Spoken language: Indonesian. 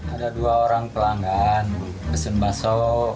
ada dua orang pelanggan mesin bakso